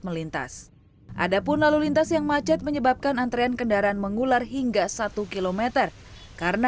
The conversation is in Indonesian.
melintas ada pun lalu lintas yang macet menyebabkan antrean kendaraan mengular hingga satu km karena